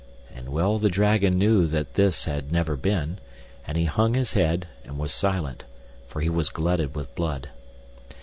And well the dragon knew that this had never been, and he hung his head and was silent, for he was glutted with blood.